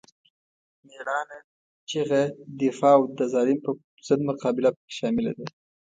مېړانه، چیغه، دفاع او د ظالم پر ضد مقابله پکې شامله ده.